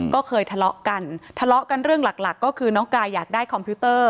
ก็เคยทะเลาะกันทะเลาะกันเรื่องหลักหลักก็คือน้องกายอยากได้คอมพิวเตอร์